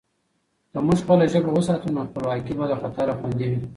که موږ خپله ژبه وساتو، نو خپلواکي به له خطره خوندي وي.